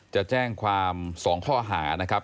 จะแจ้งความ๒ข้อหานะครับ